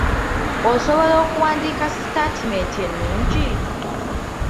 Osobola okuwandiika sitaatimenti ennungi?